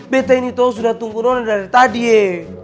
betta ini toh sudah tunggu nona dari tadi ye